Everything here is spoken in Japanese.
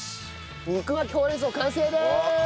肉巻きほうれん草完成です！